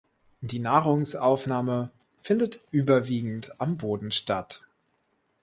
Die Nahrungsaufnahme findet überwiegend am Boden statt.